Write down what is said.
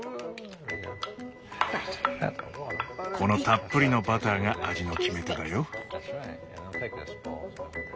このたっぷりのバターが味の決め手だよ。